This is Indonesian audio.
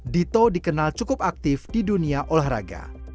dito dikenal cukup aktif di dunia olahraga